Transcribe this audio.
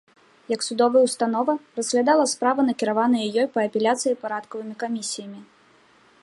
Як судовая ўстанова разглядала справы, накіраваныя ёй па апеляцыі парадкавымі камісіямі.